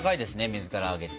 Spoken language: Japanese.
水からあげて。